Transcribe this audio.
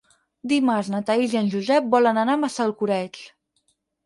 Dimarts na Thaís i en Josep volen anar a Massalcoreig.